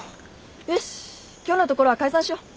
よし今日のところは解散しよう。